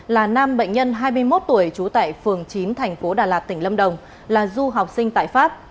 là nam bệnh nhân hai mươi một tuổi trú tại phường chín thành phố đà lạt tỉnh lâm đồng là du học sinh tại pháp